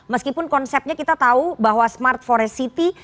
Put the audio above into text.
meskipun konsepnya kita tahu bahwa smart forest city